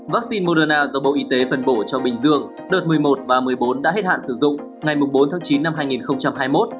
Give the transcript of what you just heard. vaccine moderna do bộ y tế phân bổ cho bình dương đợt một mươi một và một mươi bốn đã hết hạn sử dụng ngày bốn tháng chín năm hai nghìn hai mươi một